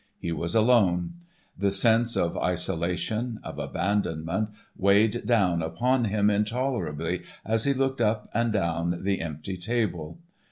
He was alone. The sense of isolation, of abandonment, weighed down upon him intolerably as he looked up and down the the empty table.